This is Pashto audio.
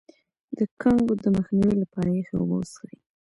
د کانګو د مخنیوي لپاره یخې اوبه وڅښئ